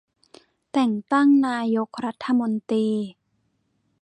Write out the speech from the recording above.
แต่งตั้งนายกรัฐมนตรี